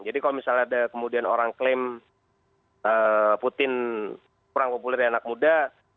jadi kalau misalnya ada kemudian orang klaim putin kurang populer dan anak muda